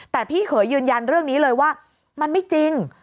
แต่พี่เขยยืนยันเรื่องนี้เลยว่ามันไม่จริง